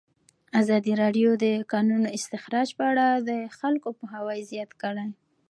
ازادي راډیو د د کانونو استخراج په اړه د خلکو پوهاوی زیات کړی.